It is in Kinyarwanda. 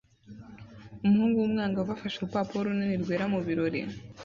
Umuhungu w'umwangavu afashe urupapuro runini rwera mu birori